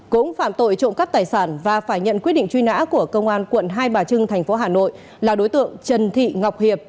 cũng phạm tội trộm cắp tài sản và phải nhận quyết định truy nã của công an quận hai bà trưng thành phố hà nội là đối tượng trần thị ngọc hiệp